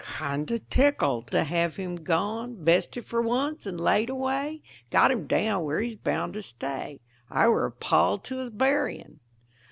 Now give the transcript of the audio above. Kind of tickled to have him gone; Bested for once and laid away, Got him down where he's bound to stay; I were a pall to his burrying.